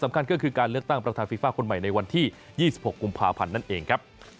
สำคัญคือการเลือกตั้งประทานฟีฟ่าคนใหม่ในวันที่๒๖กุมภาพันธ์